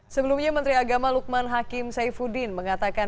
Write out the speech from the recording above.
sebelumnya menteri agama lukman hakim saifuddin mengatakan